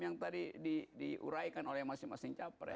yang tadi diuraikan oleh masing masing capres